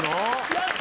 やった。